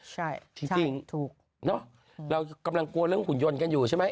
ใช่จริงถูกเนอะเรากำลังกลัวเรื่องหุ่นยนต์กันอยู่ใช่ไหม